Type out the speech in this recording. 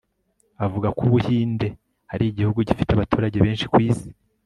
avuga ko u buhinde arigihugu gifite abaturage benshi ku isi